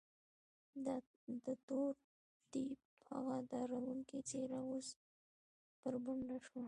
د تور دیب هغه ډارونکې څېره اوس بربنډه شوه.